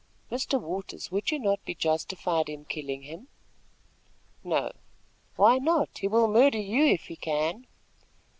"Mr. Waters, would you not be justified in killing him?" "No." "Why not? He will murder you if he can."